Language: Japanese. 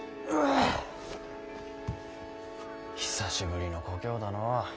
久しぶりの故郷だのう。